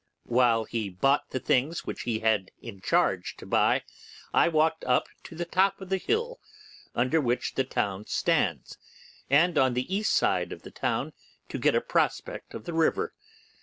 While he bought the things which he had in his charge to buy, I walked up to the top of the hill under which the town stands, and on the east side of the town, to get a prospect of the river.